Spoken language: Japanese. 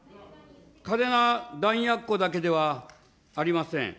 嘉手納弾薬庫だけではありません。